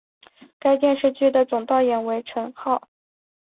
该电视剧的总导演为成浩。